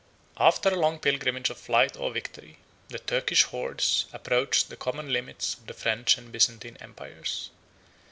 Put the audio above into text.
] After a long pilgrimage of flight or victory, the Turkish hordes approached the common limits of the French and Byzantine empires.